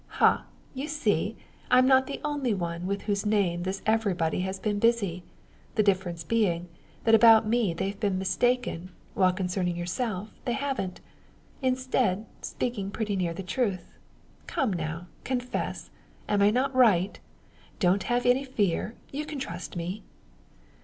Ha! you see, I'm not the only one with whose name this everybody has been busy; the difference being, that about me they've been mistaken, while concerning yourself they haven't; instead, speaking pretty near the truth. Come, now, confess! Am I not right? Don't have any fear, you can trust me."